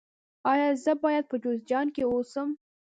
ایا زه باید په جوزجان کې اوسم؟